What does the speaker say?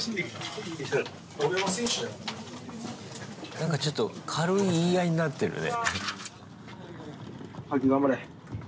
なんかちょっと軽い言い合いになってるね。